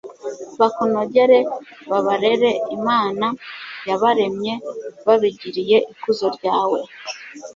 bakunogere babarere imana yabaremye babigiriye ikuzo ryawe